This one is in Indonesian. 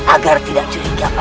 agar tidak curiga padamu